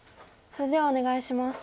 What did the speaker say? それではお願いします。